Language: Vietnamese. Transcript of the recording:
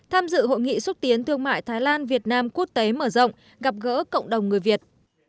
tham dự hội nghị xúc tiến thương mại thái lan việt nam quốc tế mở rộng gặp gỡ cộng đồng người việt